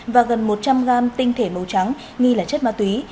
và gần một trăm linh gam tinh thể màu trắng nghi là chất ma túy